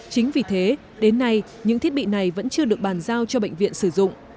chính vì thế đến nay những thiết bị này vẫn chưa được bàn giao cho bệnh viện sử dụng